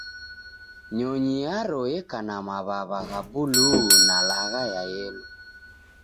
Nyonyi yaro yeka na maw'aw'a gha buluu na lagha ya yelo